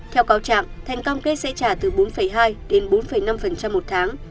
theo cáo trạng thành cam kết sẽ trả từ bốn hai đến bốn năm một tháng